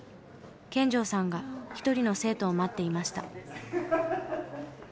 見城さんが一人の生徒を待っていました。